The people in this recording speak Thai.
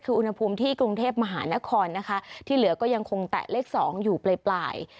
คืออุณหภูมิที่กรุงเทพมหานครนะคะที่เหลือก็ยังคงแตะเลข๒อยู่ปลาย